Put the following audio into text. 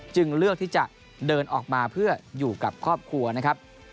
เลือกที่จะเดินออกมาเพื่ออยู่กับครอบครัวนะครับ